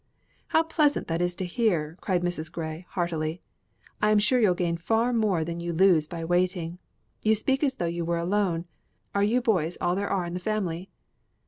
"How pleasant that is to hear!" cried Mrs. Grey, heartily. "I'm sure you'll gain far more than you lose by waiting. You speak as though you were alone; are you boys all there are in the family?"